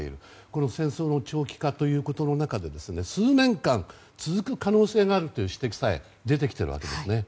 この戦争の長期化ということの中で数年間続く可能性があるという指摘さえ出てきているわけですね。